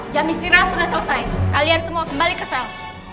jam istirahat sudah selesai kalian semua kembali ke sel